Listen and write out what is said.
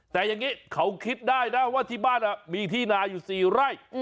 แต่อย่างนี้เขาคิดได้นะว่าที่บ้านมีที่นาอยู่๔ไร่